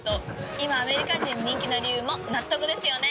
今アメリカ人に人気の理由も納得ですよね。